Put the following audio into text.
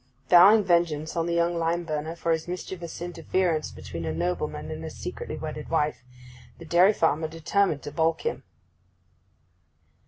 Vowing vengeance on the young lime burner for his mischievous interference between a nobleman and his secretly wedded wife, the dairy farmer determined to balk him.